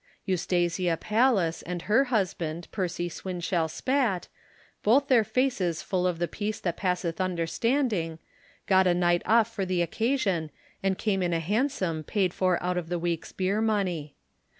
Eustasia Pallas and her husband, Percy Swinshell Spatt, both their faces full of the peace that passeth understanding, got a night off for the occasion and came in a hansom paid for out of the week's beer money.